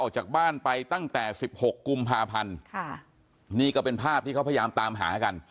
ออกจากบ้านไปตั้งแต่สิบหกกุมภาพันธ์ค่ะนี่ก็เป็นภาพที่เขาพยายามตามหากัน